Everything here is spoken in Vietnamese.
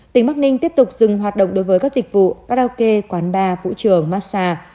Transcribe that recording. tỉnh bắc ninh tiếp tục dừng hoạt động đối với các dịch vụ ca đao kê quán ba vũ trường massage